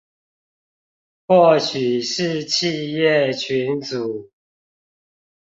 或許是企業群組